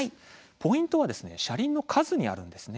ポイントは車輪の数なんです。